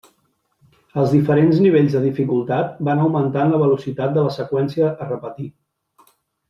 Els diferents nivells de dificultat van augmentant la velocitat de la seqüència a repetir.